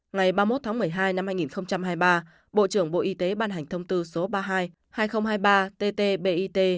ngày ba mươi một tháng một mươi hai năm hai nghìn hai mươi ba bộ trưởng bộ y tế ban hành thông tư số ba mươi hai hai nghìn hai mươi ba tt bit